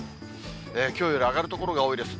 きょうより上がる所が多いです。